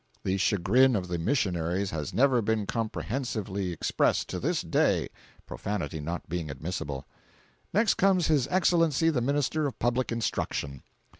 The chagrin of the missionaries has never been comprehensively expressed, to this day, profanity not being admissible. Next comes his Excellency the Minister of Public Instruction.